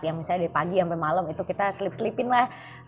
yang misalnya dari pagi sampai malam itu kita selip selipin lah